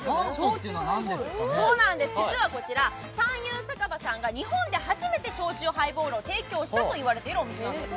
実はこちら、三祐酒場さんが日本で初めて焼酎ハイボールを提供したお店といわれているんです。